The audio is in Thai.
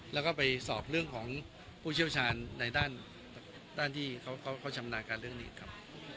แล้วก็ไปสอบเรื่องของผู้เชี่ยวชาญในด้านที่เขาชำนาญการเรื่องนี้ครับ